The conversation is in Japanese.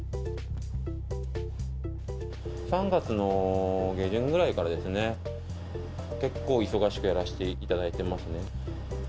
３月の下旬ぐらいからですね、結構忙しくやらしていただいてますね。